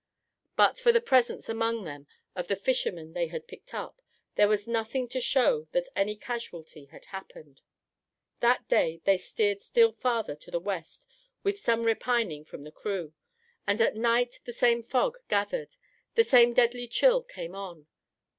But for the presence among them of the fishermen they had picked up, there was nothing to show that any casualty had happened. That day they steered still farther to the west with some repining from the crew, and at night the same fog gathered, the same deadly chill came on.